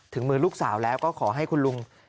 ถึงมือลูกสาวแล้วก็ขอให้คุณลุง